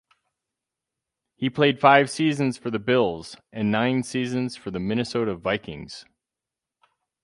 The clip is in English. He played five seasons for the Bills and nine seasons for the Minnesota Vikings.